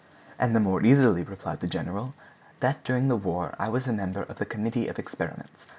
"And the more easily," replied the general, "that during the war I was a member of the committee of experiments.